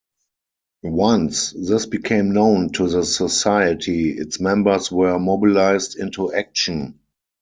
Once this became known to the Society its members were mobilized into action.